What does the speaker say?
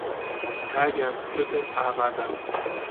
داریان کردن ئامادە